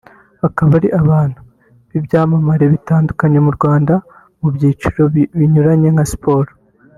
akaba aria bantu b’ibyamamare bitandukanye mu Rwanda mu byiciro binyuranye nka siporo